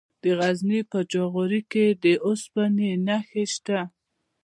د غزني په جاغوري کې د اوسپنې نښې شته.